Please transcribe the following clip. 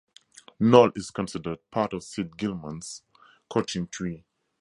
Noll is considered part of Sid Gillman's coaching tree.